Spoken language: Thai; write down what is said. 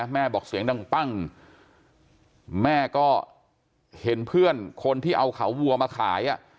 บอกเสียงดังปั้งแม่ก็เห็นเพื่อนคนที่เอาเขาวัวมาขาย